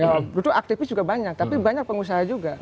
ya tentu aktivis juga banyak tapi banyak pengusaha juga